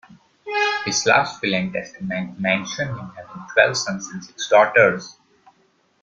His last will and testament mention him having twelve sons and six daughters.